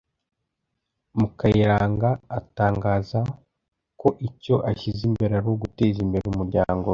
Mukayiranga atangaza ko icyo ashyize imbere ari uguteza imbere umuryango we